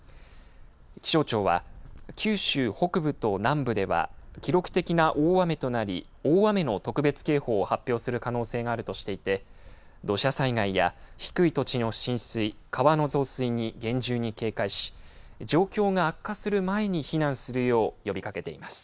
気象庁は九州北部と南部では記録的な大雨となり大雨の特別警報を発表する可能性があるとしていて土砂災害や低い土地の浸水川の増水に厳重に警戒し状況が悪化する前に避難するよう呼びかけています。